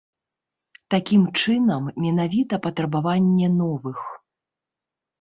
Такім чынам, менавіта патрабаванне новых.